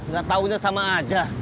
gak tahunya sama aja